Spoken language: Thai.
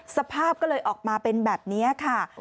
สภาพก็เลยออกมาเป็นแบบนี้ค่ะ